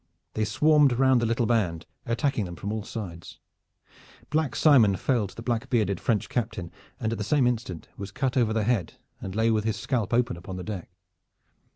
They swarmed round the little band, attacking them from all sides. Black Simon felled the black bearded French Captain, and at the same instant was cut over the head and lay with his scalp open upon the deck.